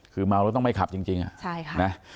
คือมารถต้องไม่ขับจริงอะใช่ค่ะ